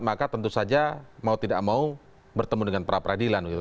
maka tentu saja mau tidak mau bertemu dengan pra peradilan begitu